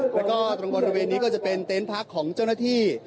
แล้วก็ตรงบริเวณนี้ก็จะเป็นเต็นต์พักของเจ้าหน้าที่